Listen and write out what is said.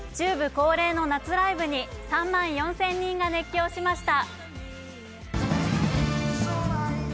恒例の夏ライブに３万４０００人が熱狂しました。